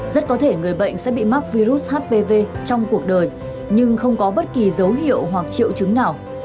rất có thể người bệnh sẽ bị mắc virus hpv trong cuộc đời nhưng không có bất kỳ dấu hiệu hoặc triệu chứng nào